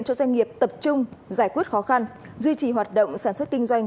cho doanh nghiệp tập trung giải quyết khó khăn duy trì hoạt động sản xuất kinh doanh